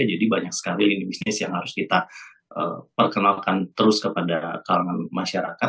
jadi banyak sekali lini bisnis yang harus kita perkenalkan terus kepada kelenggan masyarakat